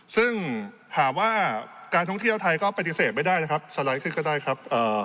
ซึ่งหากว่าการท่องเที่ยวไทยก็ปฏิเสธไม่ได้นะครับสไลด์ขึ้นก็ได้ครับ